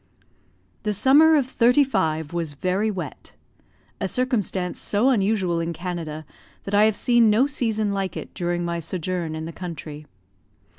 The summer of '35 was very wet; a circumstance so unusual in Canada that I have seen no season like it during my sojourn in the country.